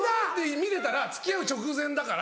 見てたら付き合う直前だから。